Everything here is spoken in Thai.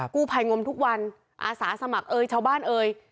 กู้ภัยงมทุกวันอาสาสมัครเอ่ยชาวบ้านเอ่ย